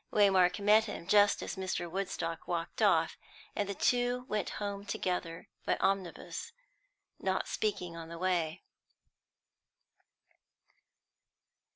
Waymark met him just as Mr. Woodstock walked off; and the two went home together by omnibus, not speaking on the way.